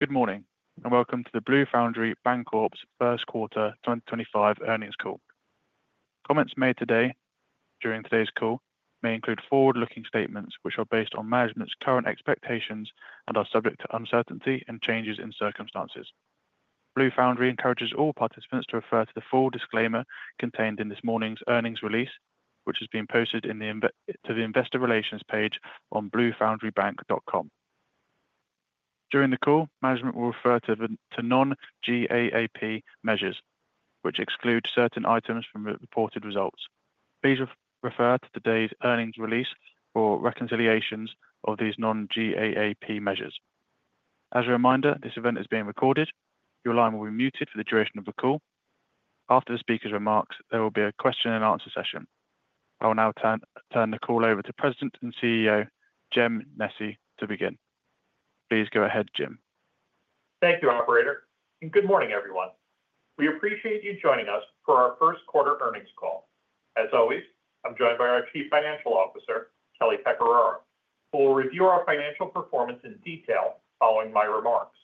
Good morning, and welcome to the Blue Foundry Bancorp's first quarter 2025 earnings call. Comments made today during today's call may include forward-looking statements which are based on management's current expectations and are subject to uncertainty and changes in circumstances. Blue Foundry encourages all participants to refer to the full disclaimer contained in this morning's earnings release, which has been posted in the investor relations page on bluefoundrybank.com. During the call, management will refer to non-GAAP measures, which exclude certain items from reported results. Please refer to today's earnings release for reconciliations of these Non-GAAP measures. As a reminder, this event is being recorded. Your line will be muted for the duration of the call. After the speaker's remarks, there will be a question-and-answer session. I will now turn the call over to President and CEO, James Nesci, to begin. Please go ahead, Jim. Thank you, Operator, and good morning, everyone. We appreciate you joining us for our first quarter earnings call. As always, I'm joined by our Chief Financial Officer, Kelly Pecoraro, who will review our financial performance in detail following my remarks.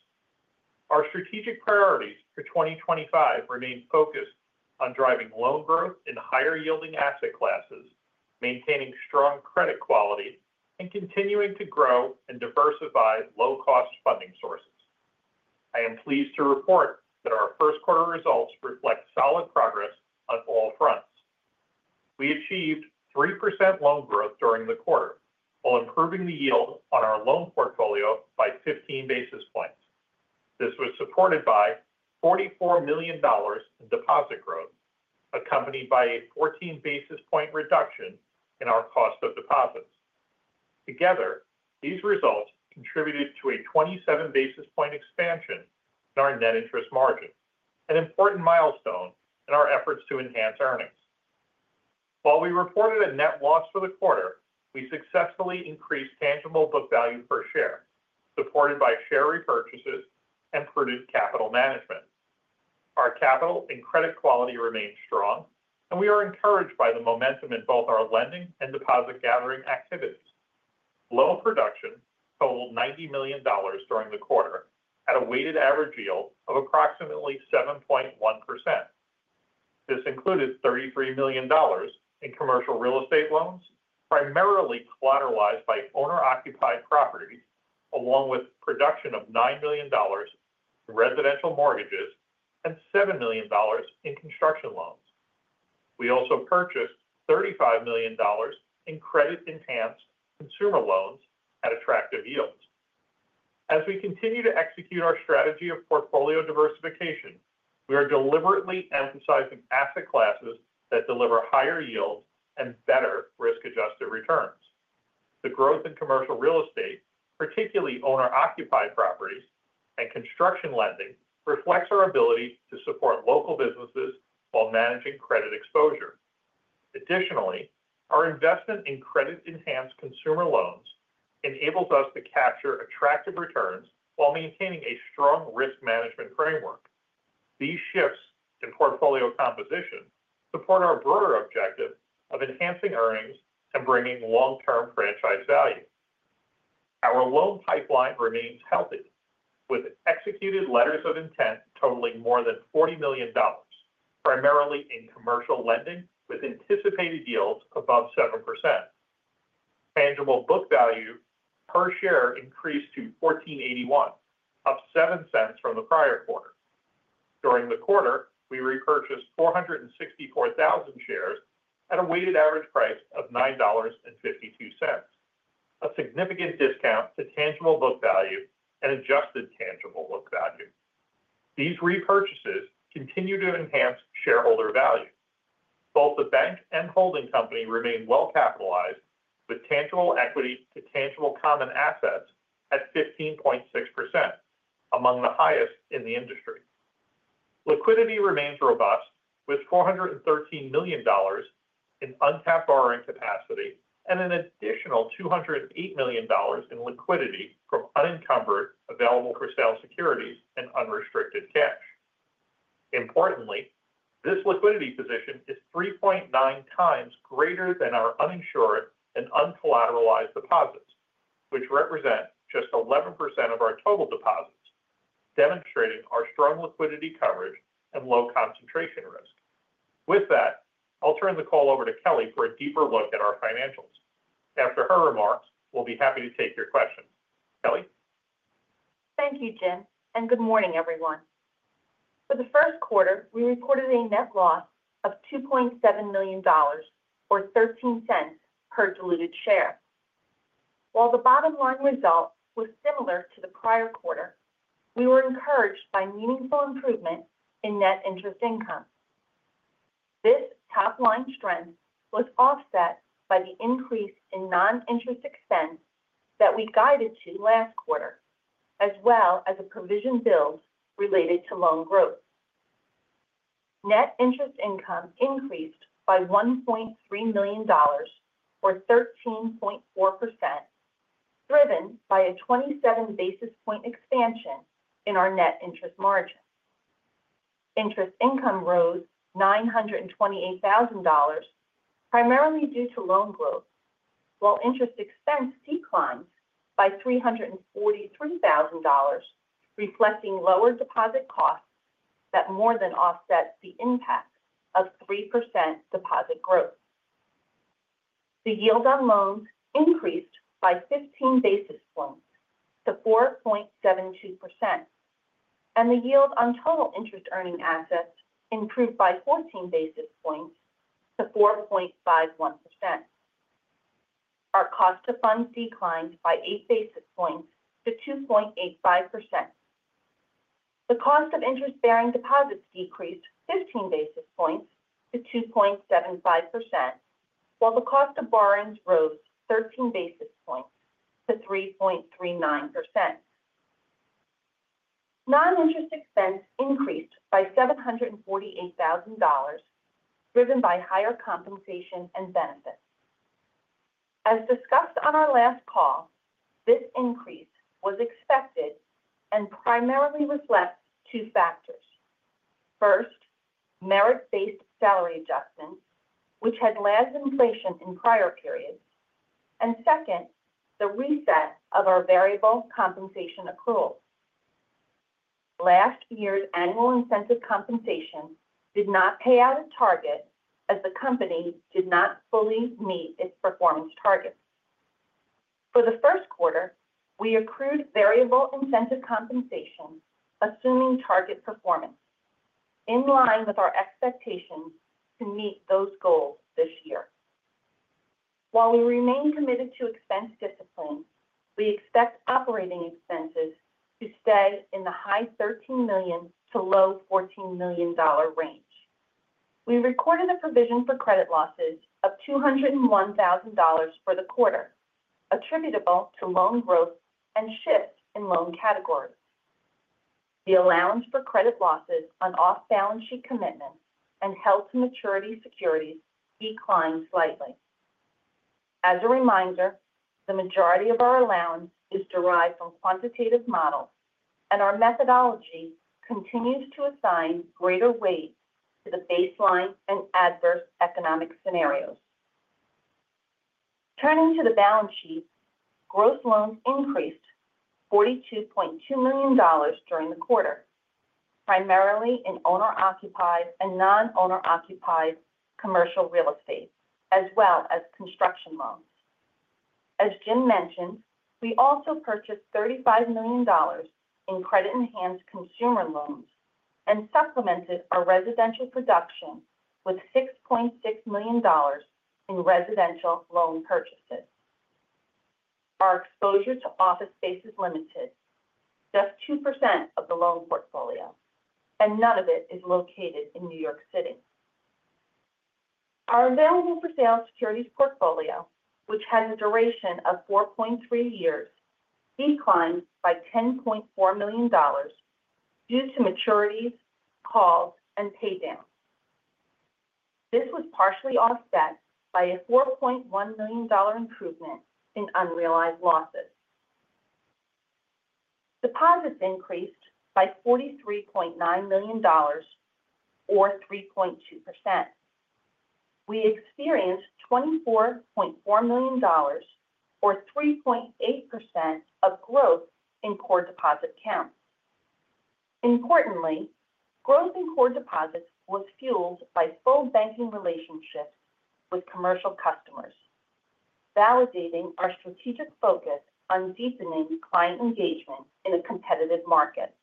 Our strategic priorities for 2025 remain focused on driving loan growth in higher-yielding asset classes, maintaining strong credit quality, and continuing to grow and diversify low-cost funding sources. I am pleased to report that our first quarter results reflect solid progress on all fronts. We achieved 3% loan growth during the quarter while improving the yield on our loan portfolio by 15 basis points. This was supported by $44 million in deposit growth, accompanied by a 14 basis point reduction in our cost of deposits. Together, these results contributed to a 27 basis point expansion in our net interest margin, an important milestone in our efforts to enhance earnings. While we reported a net loss for the quarter, we successfully increased tangible book value per share, supported by share repurchases and prudent capital management. Our capital and credit quality remained strong, and we are encouraged by the momentum in both our lending and deposit gathering activities. Loan production totaled $90 million during the quarter, at a weighted average yield of approximately 7.1%. This included $33 million in commercial real estate loans, primarily collateralized by owner-occupied properties, along with production of $9 million in residential mortgages and $7 million in construction loans. We also purchased $35 million in credit-enhanced consumer loans at attractive yields. As we continue to execute our strategy of portfolio diversification, we are deliberately emphasizing asset classes that deliver higher yields and better risk-adjusted returns. The growth in commercial real estate, particularly owner-occupied properties, and construction lending reflects our ability to support local businesses while managing credit exposure. Additionally, our investment in credit-enhanced consumer loans enables us to capture attractive returns while maintaining a strong risk management framework. These shifts in portfolio composition support our broader objective of enhancing earnings and bringing long-term franchise value. Our loan pipeline remains healthy, with executed letters of intent totaling more than $40 million, primarily in commercial lending with anticipated yields above 7%. Tangible book value per share increased to $1,481, up 7 cents from the prior quarter. During the quarter, we repurchased 464,000 shares at a weighted average price of $9.52, a significant discount to tangible book value and adjusted tangible book value. These repurchases continue to enhance shareholder value. Both the bank and holding company remain well-capitalized, with tangible equity to tangible common assets at 15.6%, among the highest in the industry. Liquidity remains robust, with $413 million in untapped borrowing capacity and an additional $208 million in liquidity from unencumbered available-for-sale securities and unrestricted cash. Importantly, this liquidity position is 3.9 times greater than our uninsured and uncollateralized deposits, which represent just 11% of our total deposits, demonstrating our strong liquidity coverage and low concentration risk. With that, I'll turn the call over to Kelly for a deeper look at our financials. After her remarks, we'll be happy to take your questions. Kelly? Thank you, Jim, and good morning, everyone. For the first quarter, we reported a net loss of $2.7 million, or 13 cents per diluted share. While the bottom-line result was similar to the prior quarter, we were encouraged by meaningful improvement in net interest income. This top-line strength was offset by the increase in non-interest expense that we guided to last quarter, as well as a provision build related to loan growth. Net interest income increased by $1.3 million, or 13.4%, driven by a 27 basis point expansion in our net interest margin. Interest income rose $928,000, primarily due to loan growth, while interest expense declined by $343,000, reflecting lower deposit costs that more than offset the impact of 3% deposit growth. The yield on loans increased by 15 basis points to 4.72%, and the yield on total interest-earning assets improved by 14 basis points to 4.51%. Our cost-to-fund declined by 8 basis points to 2.85%. The cost of interest-bearing deposits decreased 15 basis points to 2.75%, while the cost of borrowings rose 13 basis points to 3.39%. Non-interest expense increased by $748,000, driven by higher compensation and benefits. As discussed on our last call, this increase was expected and primarily reflects two factors. First, merit-based salary adjustments, which had less inflation in prior periods, and second, the reset of our variable compensation accrual. Last year's annual incentive compensation did not pay out of target as the company did not fully meet its performance target. For the first quarter, we accrued variable incentive compensation assuming target performance, in line with our expectations to meet those goals this year. While we remain committed to expense discipline, we expect operating expenses to stay in the high $13 million to low $14 million range. We recorded a provision for credit losses of $201,000 for the quarter, attributable to loan growth and shifts in loan categories. The allowance for credit losses on off-balance sheet commitments and held-to-maturity securities declined slightly. As a reminder, the majority of our allowance is derived from quantitative models, and our methodology continues to assign greater weight to the baseline and adverse economic scenarios. Turning to the balance sheet, gross loans increased $42.2 million during the quarter, primarily in owner-occupied and non-owner-occupied commercial real estate, as well as construction loans. As Jim mentioned, we also purchased $35 million in credit-enhanced consumer loans and supplemented our residential production with $6.6 million in residential loan purchases. Our exposure to office space is limited, just 2% of the loan portfolio, and none of it is located in New York City. Our available for sale securities portfolio, which has a duration of 4.3 years, declined by $10.4 million due to maturities, calls, and paydowns. This was partially offset by a $4.1 million improvement in unrealized losses. Deposits increased by $43.9 million, or 3.2%. We experienced $24.4 million, or 3.8%, of growth in core deposit counts. Importantly, growth in core deposits was fueled by full banking relationships with commercial customers, validating our strategic focus on deepening client engagement in a competitive market.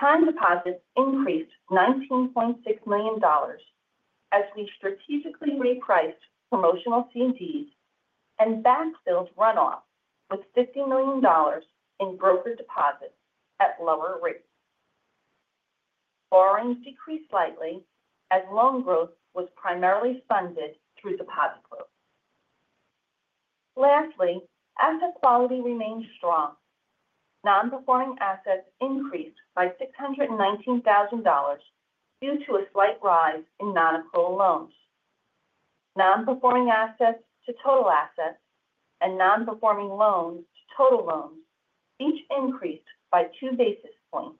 Time deposits increased $19.6 million as we strategically repriced promotional CDs and backfilled runoff with $50 million in brokered deposits at lower rates. Borrowings decreased slightly as loan growth was primarily funded through deposit growth. Lastly, asset quality remained strong. Non-performing assets increased by $619,000 due to a slight rise in non-accrual loans. Non-performing assets to total assets and non-performing loans to total loans each increased by 2 basis points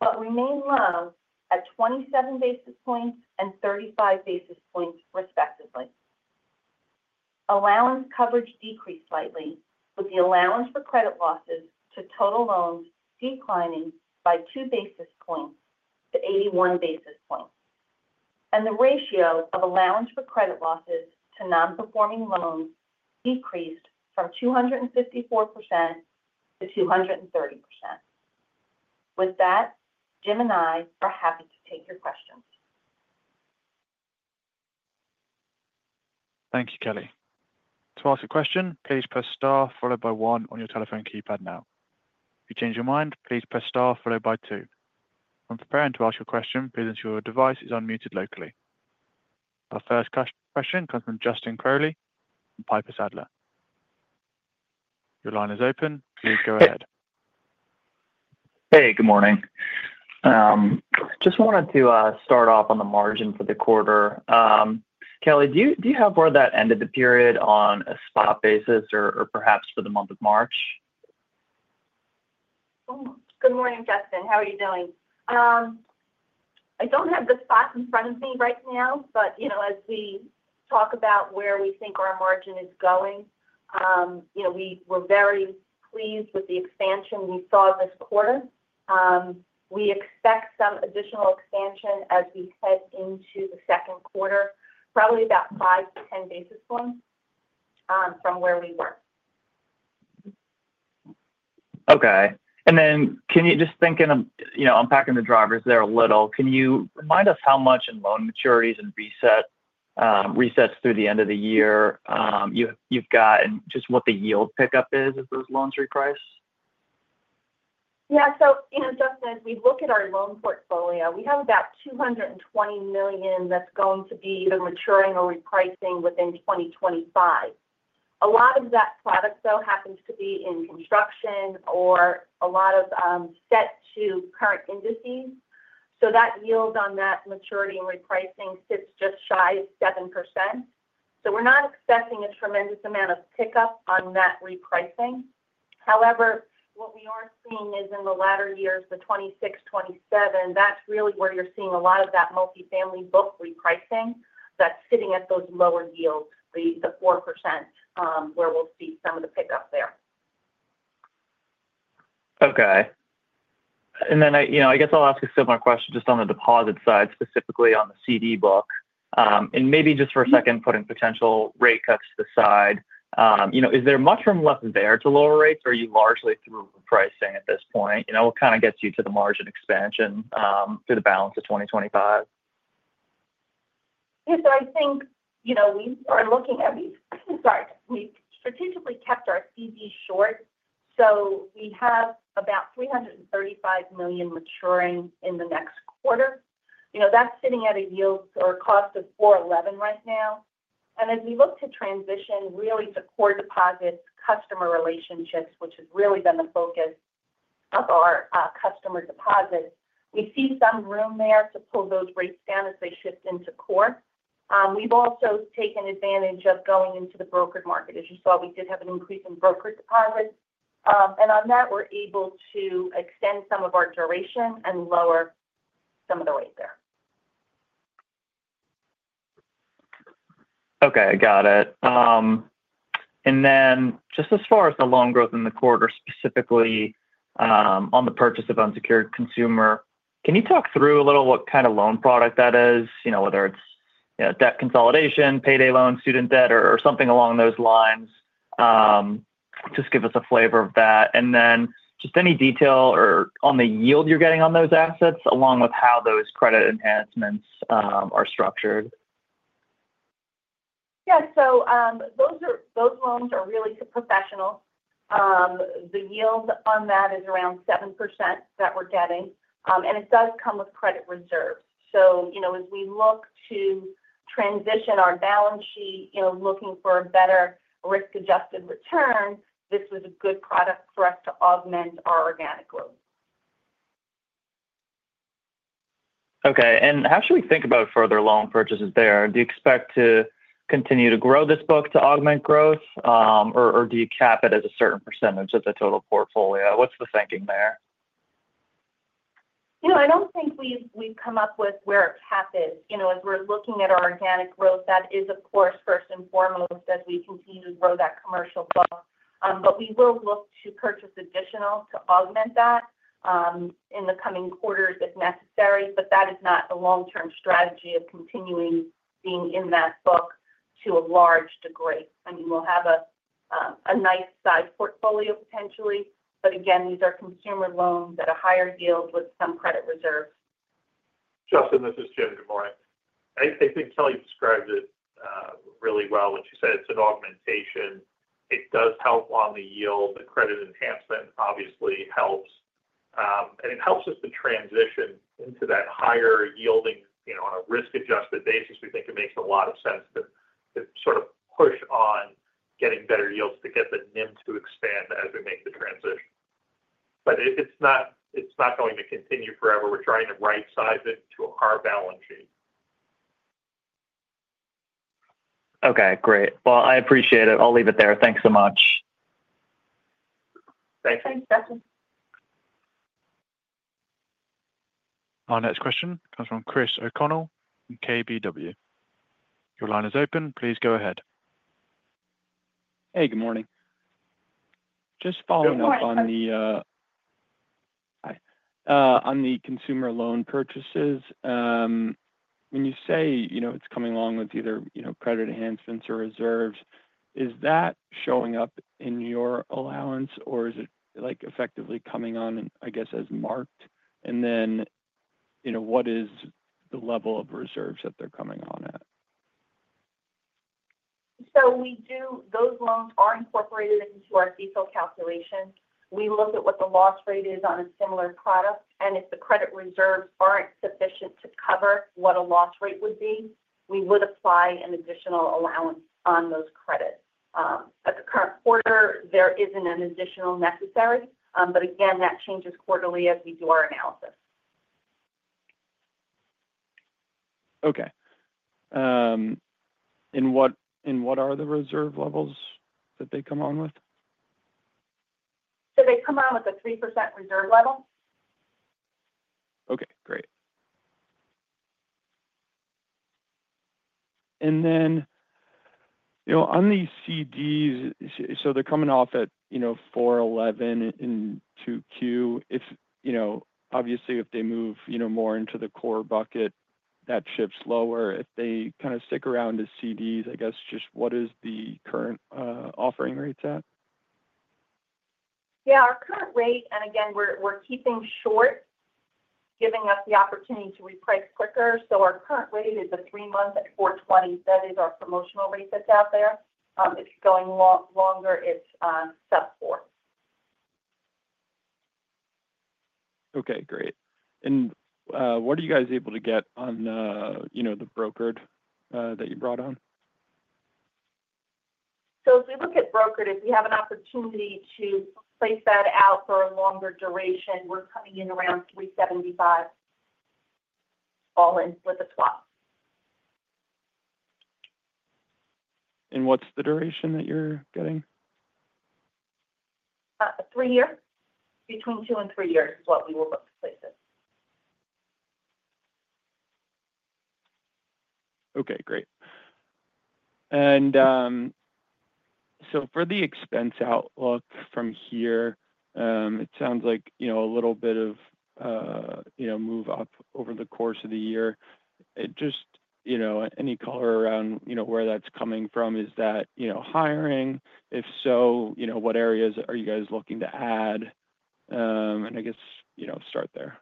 but remained low at 27 basis points and 35 basis points, respectively. Allowance coverage decreased slightly, with the allowance for credit losses to total loans declining by 2 basis points to 81 basis points, and the ratio of allowance for credit losses to non-performing loans decreased from 254% to 230%. With that, Jim and I are happy to take your questions. Thank you, Kelly. To ask a question, please press Star followed by 1 on your telephone keypad now. If you change your mind, please press Star followed by 2. When preparing to ask your question, please ensure your device is unmuted locally. Our first question comes from Justin Crowley from Piper Sandler. Your line is open. Please go ahead. Hey, good morning. Just wanted to start off on the margin for the quarter. Kelly, do you have where that ended the period on a spot basis or perhaps for the month of March? Good morning, Justin. How are you doing? I don't have the spot in front of me right now, but as we talk about where we think our margin is going, we were very pleased with the expansion we saw this quarter. We expect some additional expansion as we head into the second quarter, probably about 5-10 basis points from where we were. Okay. Just thinking of unpacking the drivers there a little, can you remind us how much in loan maturities and resets through the end of the year you've got and just what the yield pickup is of those loans repriced? Yeah. As Justin said, we look at our loan portfolio. We have about $220 million that is going to be either maturing or repricing within 2025. A lot of that product, though, happens to be in construction or a lot of set-to-current indices. That yield on that maturity and repricing sits just shy of 7%. We are not expecting a tremendous amount of pickup on that repricing. However, what we are seeing is in the latter years, 2026, 2027, that is really where you are seeing a lot of that multifamily book repricing that is sitting at those lower yields, the 4%, where we will see some of the pickup there. Okay. I guess I'll ask a similar question just on the deposit side, specifically on the CD book. Maybe just for a second, putting potential rate cuts to the side, is there much from left there to lower rates, or are you largely through repricing at this point? What kind of gets you to the margin expansion through the balance of 2025? Yeah. I think we are looking at—sorry, we strategically kept our CDs short. We have about $335 million maturing in the next quarter. That is sitting at a yield or a cost of 4.11% right now. As we look to transition really to core deposits, customer relationships, which has really been the focus of our customer deposits, we see some room there to pull those rates down as they shift into core. We have also taken advantage of going into the brokered market. As you saw, we did have an increase in broker deposits. On that, we are able to extend some of our duration and lower some of the rate there. Okay. Got it. Just as far as the loan growth in the quarter, specifically on the purchase of unsecured consumer, can you talk through a little what kind of loan product that is, whether it's debt consolidation, payday loan, student debt, or something along those lines? Just give us a flavor of that. Just any detail on the yield you're getting on those assets, along with how those credit enhancements are structured. Yeah. Those loans are really to professionals. The yield on that is around 7% that we're getting. It does come with credit reserves. As we look to transition our balance sheet, looking for a better risk-adjusted return, this was a good product for us to augment our organic growth. Okay. How should we think about further loan purchases there? Do you expect to continue to grow this book to augment growth, or do you cap it as a certain percentage of the total portfolio? What's the thinking there? I don't think we've come up with where our cap is. As we're looking at our organic growth, that is, of course, first and foremost as we continue to grow that commercial book. We will look to purchase additional to augment that in the coming quarters if necessary. That is not a long-term strategy of continuing being in that book to a large degree. I mean, we'll have a nice size portfolio potentially. Again, these are consumer loans at a higher yield with some credit reserves. Justin, this is James. Good morning. I think Kelly described it really well when she said it's an augmentation. It does help on the yield. The credit enhancement obviously helps. It helps us to transition into that higher yielding on a risk-adjusted basis. We think it makes a lot of sense to sort of push on getting better yields to get the NIM to expand as we make the transition. It is not going to continue forever. We are trying to right-size it to our balance sheet. Okay. Great. I appreciate it. I'll leave it there. Thanks so much. Thanks. Thanks, Justin. Our next question comes from Chris O'Connell at KBW. Your line is open. Please go ahead. Hey, good morning. Just following up on the consumer loan purchases. When you say it's coming along with either credit enhancements or reserves, is that showing up in your allowance, or is it effectively coming on, I guess, as marked? What is the level of reserves that they're coming on at? Those loans are incorporated into our detailed calculation. We look at what the loss rate is on a similar product. If the credit reserves are not sufficient to cover what a loss rate would be, we would apply an additional allowance on those credits. At the current quarter, there is not an additional necessary. Again, that changes quarterly as we do our analysis. Okay. What are the reserve levels that they come on with? They come on with a 3% reserve level. Okay. Great. On these CDs, so they are coming off at 4.11 in 2Q. Obviously, if they move more into the core bucket, that shifts lower. If they kind of stick around to CDs, I guess, just what is the current offering rates at? Yeah. Our current rate—and again, we're keeping short, giving us the opportunity to reprice quicker—so our current rate is a three-month at 4.20%. That is our promotional rate that's out there. If it's going longer, it's sub-4%. Okay. Great. What are you guys able to get on the brokered that you brought on? If we look at brokered, if we have an opportunity to place that out for a longer duration, we're coming in around 3.75 all in with a swap. What's the duration that you're getting? Three years. Between two and three years is what we will look to place it. Great. For the expense outlook from here, it sounds like a little bit of move up over the course of the year. Just any color around where that's coming from? Is that hiring? If so, what areas are you guys looking to add? I guess start there.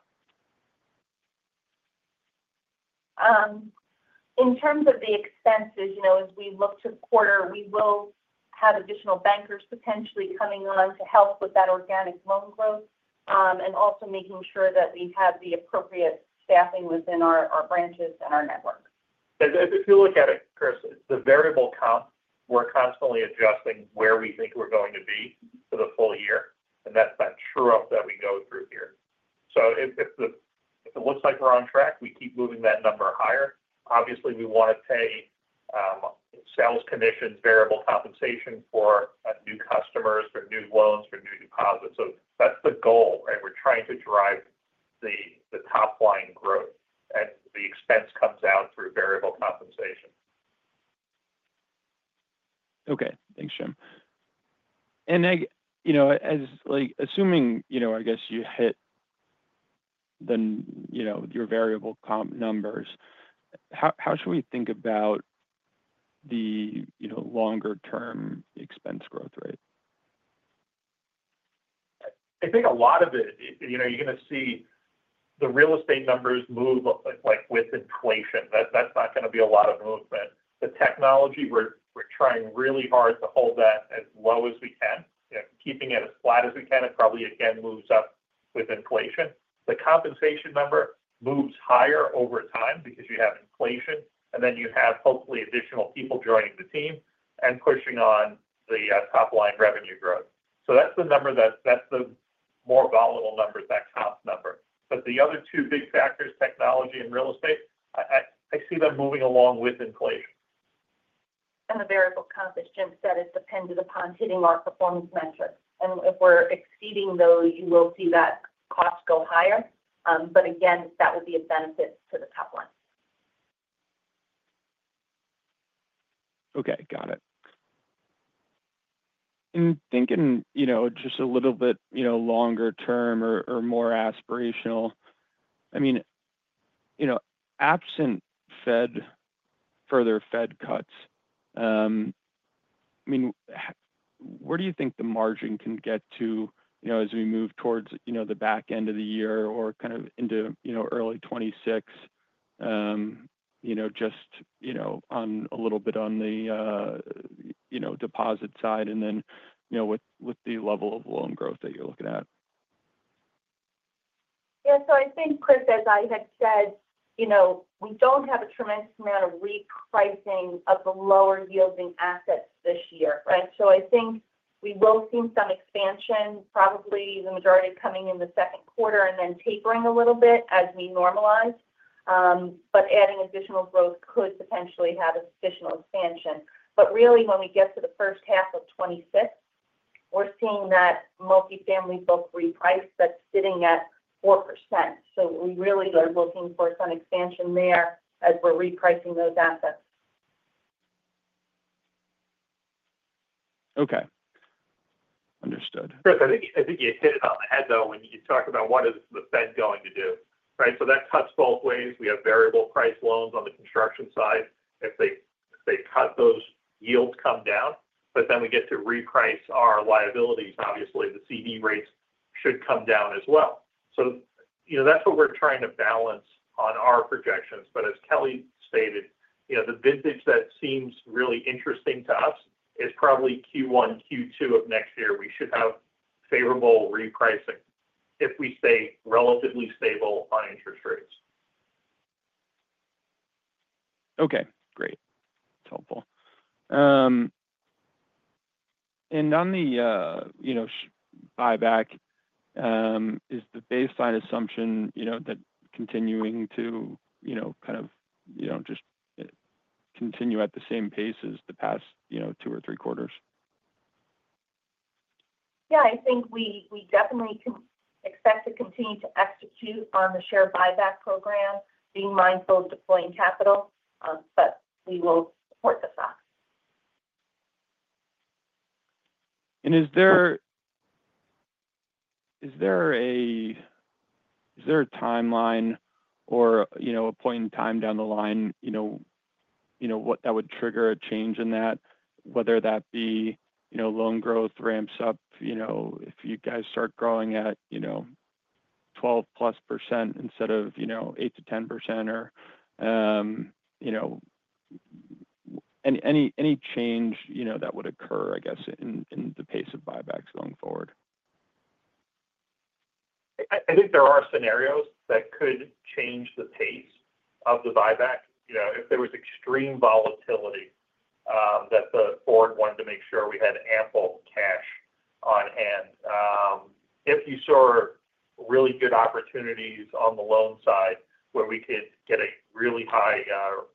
In terms of the expenses, as we look to quarter, we will have additional bankers potentially coming on to help with that organic loan growth and also making sure that we have the appropriate staffing within our branches and our network. If you look at it, Chris, it's the variable comp. We're constantly adjusting where we think we're going to be for the full year. That's that true-up that we go through here. If it looks like we're on track, we keep moving that number higher. Obviously, we want to pay sales commissions, variable compensation for new customers, for new loans, for new deposits. That's the goal, right? We're trying to drive the top-line growth. The expense comes out through variable compensation. Okay. Thanks, James. Assuming, I guess, you hit your variable comp numbers, how should we think about the longer-term expense growth rate? I think a lot of it, you're going to see the real estate numbers move with inflation. That's not going to be a lot of movement. The technology, we're trying really hard to hold that as low as we can. Keeping it as flat as we can, it probably, again, moves up with inflation. The compensation number moves higher over time because you have inflation, and then you have hopefully additional people joining the team and pushing on the top-line revenue growth. So that's the number that's the more volatile number, that comp number. The other two big factors, technology and real estate, I see them moving along with inflation. The variable comp, as James said, is dependent upon hitting our performance metrics. If we're exceeding those, you will see that cost go higher. Again, that will be a benefit to the top line. Okay. Got it. Thinking just a little bit longer-term or more aspirational, I mean, absent further Fed cuts, I mean, where do you think the margin can get to as we move towards the back end of the year or kind of into early 2026, just on a little bit on the deposit side and then with the level of loan growth that you're looking at? Yeah. I think, Chris, as I had said, we don't have a tremendous amount of repricing of the lower-yielding assets this year, right? I think we will see some expansion, probably the majority coming in the second quarter and then tapering a little bit as we normalize. Adding additional growth could potentially have additional expansion. Really, when we get to the first half of 2026, we're seeing that multifamily book reprice that's sitting at 4%. We really are looking for some expansion there as we're repricing those assets. Okay. Understood. Chris, I think you hit it on the head, though, when you talked about what is the Fed going to do, right? That cuts both ways. We have variable-priced loans on the construction side. If they cut those, yields come down. We get to reprice our liabilities. Obviously, the CD rates should come down as well. That is what we are trying to balance on our projections. As Kelly stated, the vintage that seems really interesting to us is probably Q1, Q2 of next year. We should have favorable repricing if we stay relatively stable on interest rates. Okay. Great. That's helpful. On the buyback, is the baseline assumption that continuing to kind of just continue at the same pace as the past two or three quarters? Yeah. I think we definitely expect to continue to execute on the share buyback program, being mindful of deploying capital. We will support the stock. Is there a timeline or a point in time down the line that would trigger a change in that, whether that be loan growth ramps up if you guys start growing at 12% plus instead of 8%-10%, or any change that would occur, I guess, in the pace of buybacks going forward? I think there are scenarios that could change the pace of the buyback. If there was extreme volatility that the board wanted to make sure we had ample cash on hand, if you saw really good opportunities on the loan side where we could get a really high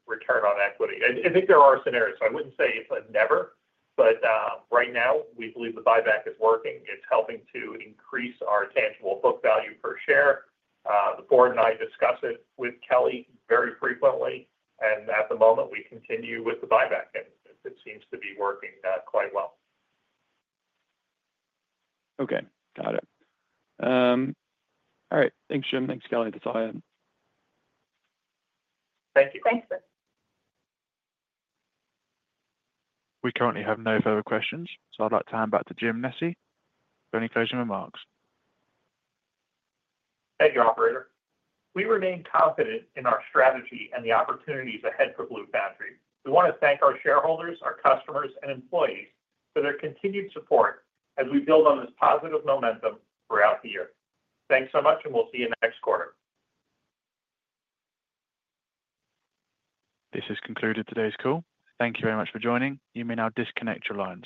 return on equity. I think there are scenarios. I would not say it is a never. Right now, we believe the buyback is working. It is helping to increase our tangible book value per share. The board and I discuss it with Kelly very frequently. At the moment, we continue with the buyback. It seems to be working quite well. Okay. Got it. All right. Thanks, Jim. Thanks, Kelly. That's all I had. Thank you. Thanks, Chris. We currently have no further questions. I'd like to hand back to James Nesci. Any closing remarks? Thank you, Operator. We remain confident in our strategy and the opportunities ahead for Blue Foundry. We want to thank our shareholders, our customers, and employees for their continued support as we build on this positive momentum throughout the year. Thanks so much, and we'll see you next quarter. This has concluded today's call. Thank you very much for joining. You may now disconnect your lines.